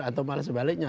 atau malah sebaliknya